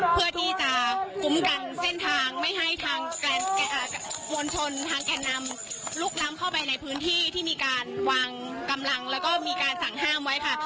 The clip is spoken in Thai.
เพื่อที่จะคุ้มกันเส้นทางไม่ให้ทางมวลชนทางแก่นำลุกล้ำเข้าไปในพื้นที่ที่มีการวางกำลังแล้วก็มีการสั่งห้ามไว้ค่ะ